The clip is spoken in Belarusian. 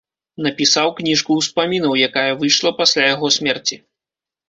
Напісаў кніжку ўспамінаў, якая выйшла пасля яго смерці.